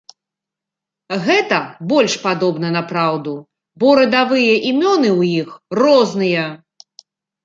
Гэта больш падобна на праўду, бо радавыя імёны ў іх розныя.